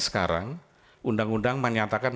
sekarang undang undang menyatakan